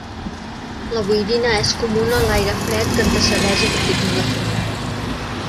La boirina és comuna en l'aire fred que antecedeix aquest tipus de front.